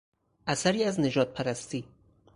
اثری از نژادپرستی